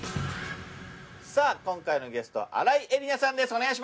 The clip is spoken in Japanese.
さあ今回のゲストは新井恵理那さんです。